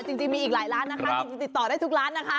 จริงมีอีกหลายร้านนะคะจริงติดต่อได้ทุกร้านนะคะ